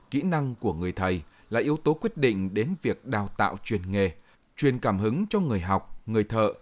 kỹ năng của người thầy là yếu tố quyết định đến việc đào tạo truyền nghề chuyên cảm hứng cho người học người thợ